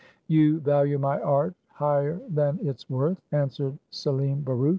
" You value my art higher than its worth," answered Selim Baruch.